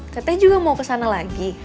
kak teh juga mau kesana lagi